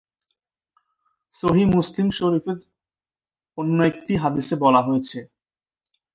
সহীহ মুসলিম শরীফের অন্য একটি হাদিসে বলা হয়েছে,